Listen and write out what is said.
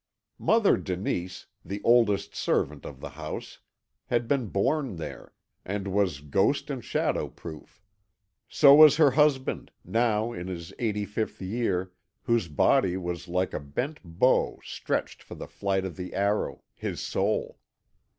Mother Denise, the oldest servant of the house, had been born there, and was ghost and shadow proof; so was her husband, now in his eighty fifth year, whose body was like a bent bow stretched for the flight of the arrow, his soul.